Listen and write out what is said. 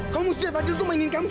kamu siap fadil tuh mainin kamu